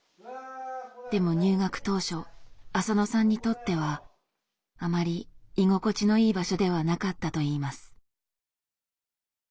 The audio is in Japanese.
でも入学当初浅野さんにとってはあまり居心地のいい場所ではなかったといいます。